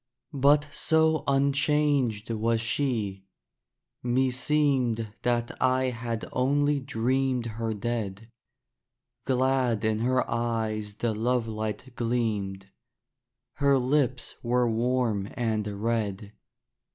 But so unchanged was she, meseemed That I had only dreamed her dead; Glad in her eyes the lovelight gleamed; Her lips were warm and red.